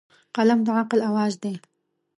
قلم د عقل اواز دی